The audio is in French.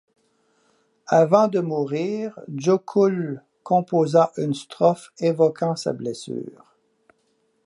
Avant de mourir, Jökull composa une strophe évoquant sa blessure.